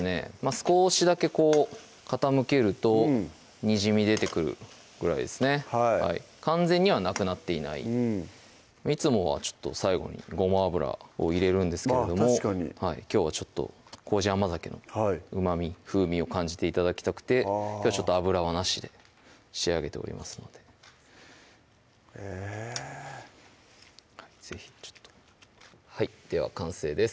少しだけこう傾けるとにじみ出てくるぐらいですねはい完全にはなくなっていないうんいつもは最後にごま油を入れるんですけれどもきょうは糀甘酒のうまみ・風味を感じて頂きたくて油はなしで仕上げておりますのでへぇ是非ちょっとでは完成です